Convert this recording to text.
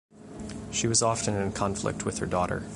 She was often in conflict with her daughter.